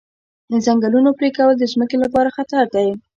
د ځنګلونو پرېکول د ځمکې لپاره خطر دی.